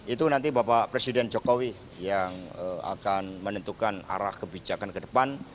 itu nanti bapak presiden jokowi yang akan menentukan arah kebijakan ke depan